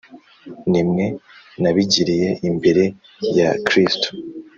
ni mwe nabigiriye imbere ya Kristo